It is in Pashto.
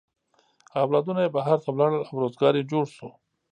اولادونه یې بهر ته ولاړل او روزگار یې جوړ شو.